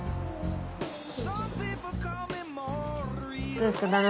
どうですか？